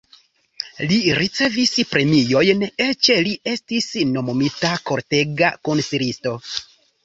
Li ricevis premiojn, eĉ li estis nomumita kortega konsilisto.